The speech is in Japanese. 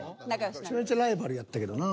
めちゃめちゃライバルやったけどなぁ。